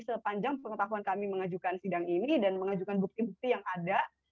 sepanjang pengetahuan kami mengajukan sidang ini dan mengajukan bukti bukti yang ada